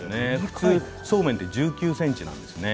普通そうめんは１９ｃｍなんですね。